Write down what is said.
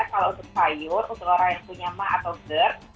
kalau untuk sayur untuk orang yang punya mah atau gerd